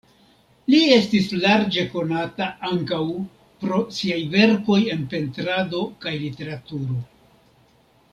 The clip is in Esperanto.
Li estis larĝe konata ankaŭ pro siaj verkoj en pentrado kaj literaturo.